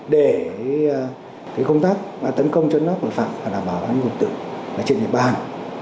để công tác tấn công chân nóc tội phạm và đảm bảo an ninh trật tự trên địa bàn